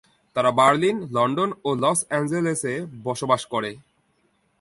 তারা Berlin, London, ও লস অ্যাঞ্জেলেসে বসবাস করে।